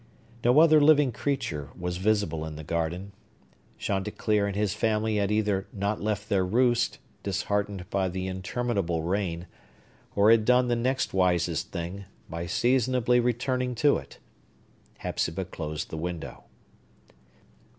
No other living creature was visible in the garden. Chanticleer and his family had either not left their roost, disheartened by the interminable rain, or had done the next wisest thing, by seasonably returning to it. Hepzibah closed the window.